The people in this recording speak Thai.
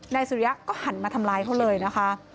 นายสุริยะก็หันมาทำร้ายเขาเลยนะคะ